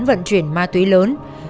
vận chuyển ma túy lớn